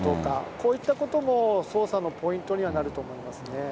こういったことも捜査のポイントにはなると思いますね。